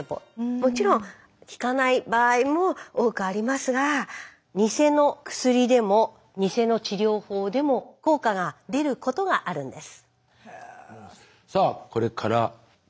もちろん効かない場合も多くありますがニセの薬でもニセの治療法でも効果が出ることがあるんです。